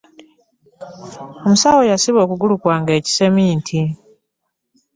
Omusawo yasiba okugulu kwange ekiseminti.